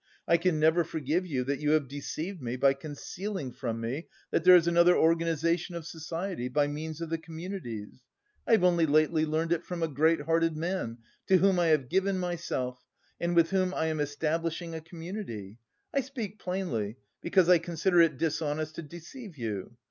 I can never forgive you that you have deceived me by concealing from me that there is another organisation of society by means of the communities. I have only lately learned it from a great hearted man to whom I have given myself and with whom I am establishing a community. I speak plainly because I consider it dishonest to deceive you.